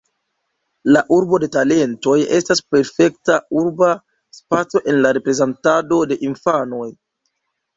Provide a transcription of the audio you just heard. La urbo de talentoj estas perfekta urba spaco en la reprezentado de infanoj.